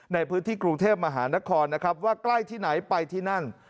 ในพื้นที่กรุงเทพมหานครนะครับว่าใกล้ที่ไหนไปที่นั่น